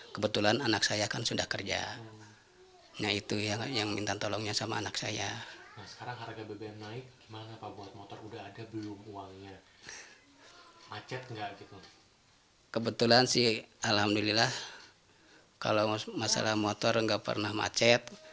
kebetulan sih alhamdulillah kalau masalah motor nggak pernah macet